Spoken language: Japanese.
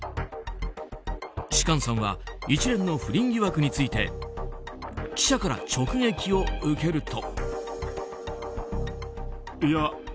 芝翫さんは一連の不倫疑惑について記者から直撃を受けると。